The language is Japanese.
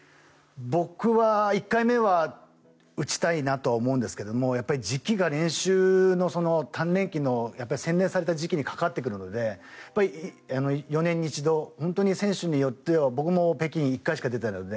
僕は１回目は打ちたいなとは思うんですけどやっぱり時期が練習の鍛錬期の洗練された時期に関わってくるので４年に一度本当に選手によっては僕も北京１回しか出ていないので